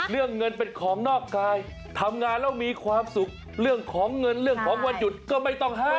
เรื่องเงินเป็นของนอกกายทำงานแล้วมีความสุขเรื่องของเงินเรื่องของวันหยุดก็ไม่ต้องห้าม